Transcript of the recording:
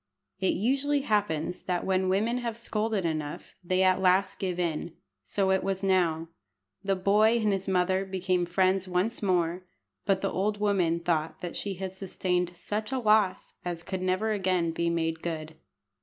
It usually happens that when women have scolded enough they at last give in. So it was now. The boy and his mother became friends once more; but the old woman thought she had sustained such a loss as could never again be made good.